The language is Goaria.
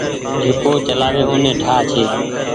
جيڪو چلآوي اوني ٺآ ڇي۔